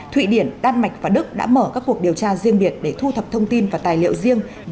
thụy điển đan mạch và đức đã mở các cuộc điều tra riêng biệt để thu thập thông tin và tài liệu riêng về sự cố ở đường ống